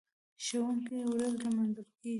د ښوونکي ورځ لمانځل کیږي.